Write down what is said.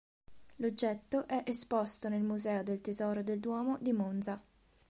L'oggetto è esposto nel Museo del Tesoro del Duomo di Monza.